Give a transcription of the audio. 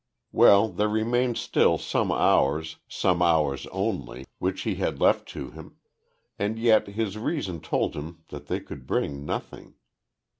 Well, there remained still some hours some hours only which he had left to him, and yet his reason told him that they could bring nothing.